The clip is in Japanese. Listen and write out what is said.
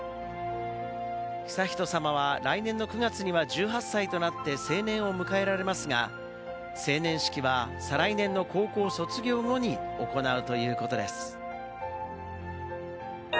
悠仁さまは来年の９月には１８歳となって成年を迎えられますが、成年式は再来年の高校卒業後に行うということです。